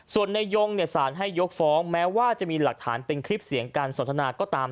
ส่วนในยงสารให้ยกฟ้องแม้ว่าจะมีหลักฐานเป็นคลิปเสียงการสนทนาก็ตาม